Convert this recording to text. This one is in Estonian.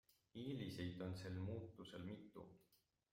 Eeliseid on sel muutusel mitu.